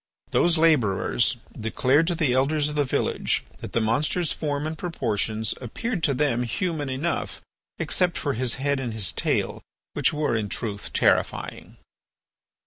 Those labourers declared to the Elders of the village that the monster's form and proportions appeared to them human enough except for his head and his tail, which were, in truth, terrifying.